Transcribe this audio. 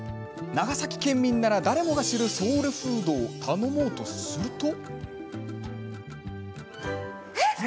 長崎県民なら誰もが知るソウルフードを頼もうとすると。